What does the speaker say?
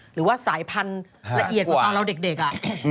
หรือว่าสายพันธุ์ละเอียดกว่าตอนเราเด็ก